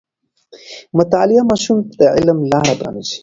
مطالعه ماشوم ته د علم لاره پرانیزي.